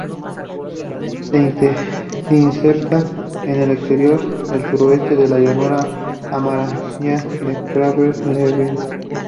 Se inserta en el exterior del sudeste de la llanura amurallada del cráter Leibnitz.